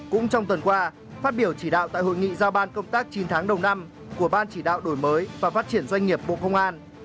cũng trong tuần qua phát biểu chỉ đạo tại hội nghị giao ban công tác chín tháng đầu năm của ban chỉ đạo đổi mới và phát triển doanh nghiệp bộ công an